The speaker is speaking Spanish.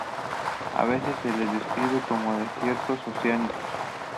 A veces se les describe como "desiertos oceánicos".